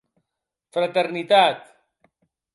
Fraternitat!